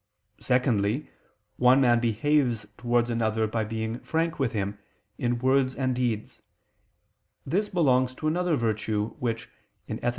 Secondly, one man behaves towards another by being frank with him, in words and deeds: this belongs to another virtue which (Ethic.